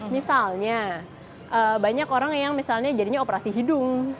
misalnya banyak orang yang misalnya jadinya operasi hidung